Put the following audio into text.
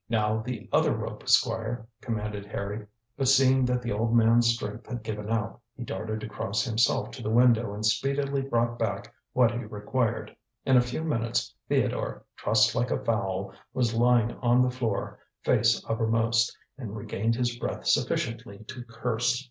"Now the other rope, Squire," commanded Harry, but seeing that the old man's strength had given out, he darted across himself to the window and speedily brought back what he required. In a few minutes Theodore, trussed like a fowl, was lying on the floor, face uppermost, and regained his breath sufficiently to curse.